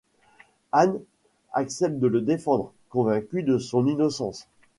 Ann accepte de le défendre, convaincue de son innocence.